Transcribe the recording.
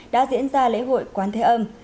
đã diễn ra lễ hội quán thế âm